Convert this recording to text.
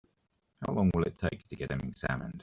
How long will it take to get him examined?